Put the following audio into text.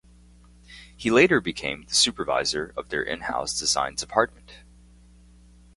He later became the supervisor of their in-house design department.